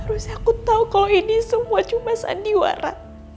terus aku tahu kalau ini semua cuma sandiwara